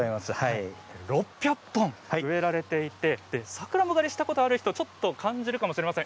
６００本植えられていてさくらんぼ狩りしたことある人はちょっと感じるかもしれません。